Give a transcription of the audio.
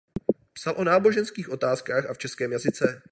Psal o náboženských otázkách a v českém jazyce.